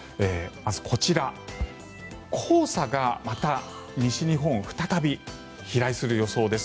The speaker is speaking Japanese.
こちら、黄砂がまた西日本に再び飛来する予想です。